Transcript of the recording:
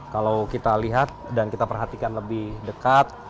kalau kita lihat dan kita perhatikan lebih dekat